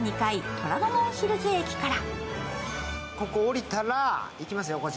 虎ノ門ヒルズ駅から。